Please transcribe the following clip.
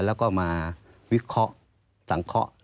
แล้วก็มาวิเคราะห์สังเคราะห์